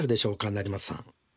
成松さん。